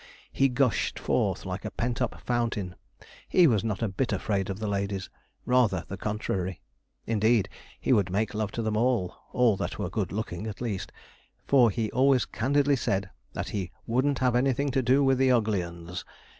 He gushed forth like a pent up fountain. He was not a bit afraid of the ladies rather the contrary; indeed, he would make love to them all all that were good looking, at least, for he always candidly said that he 'wouldn't have anything to do with the ugly 'uns.'